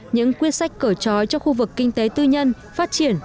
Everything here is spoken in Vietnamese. những quyết sách cởi trói cho khu vực kinh tế tư nhân phát triển